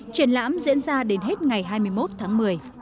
triển lãm diễn ra đến hết ngày hai mươi một tháng một mươi